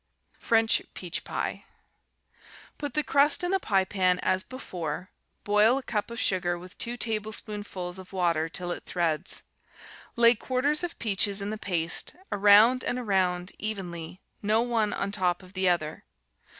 French Peach Pie Put the crust in the pie pan as before; boil a cup of sugar with two tablespoonfuls of water till it threads. Lay quarters of peaches in the paste, around and around, evenly, no one on top of the other.